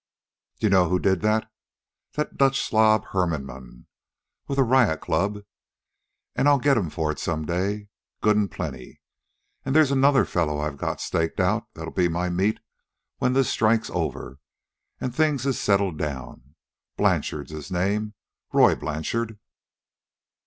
"D'ye know who did that? That Dutch slob Hermanmann, with a riot club. An' I'll get'm for it some day, good an' plenty. An' there's another fellow I got staked out that'll be my meat when this strike's over an' things is settled down. Blanchard's his name, Roy Blanchard."